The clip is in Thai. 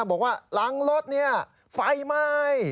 บอกว่าหลังรถเนี่ยไฟไหม้